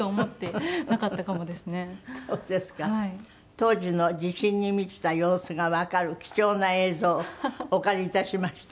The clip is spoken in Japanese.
当時の自信に満ちた様子がわかる貴重な映像お借り致しました。